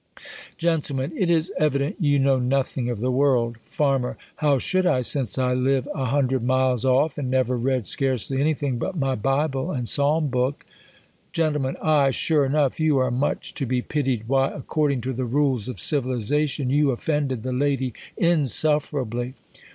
Gent, THE COLUiVIBIAxX ORATOR, 231 Gent, It is evident you know nothing of the world. Fann, How sliould I, since I live n hundred miles oiT, and never read scarcely any thing but my bible and psalm book ? Gent. Aye, sure enough. You arc much to be pit ied. Why, according to the rules of civilization, you ollcnded the lady insufferably.